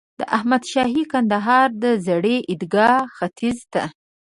د احمد شاهي کندهار د زړې عیدګاه ختیځ ته.